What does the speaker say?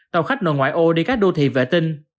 tàu khách nội ngoại ô đi các đô thị vệ tinh